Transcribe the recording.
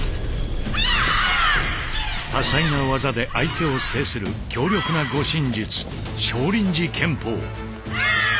多彩な技で相手を制する強力な護身術少林寺拳法。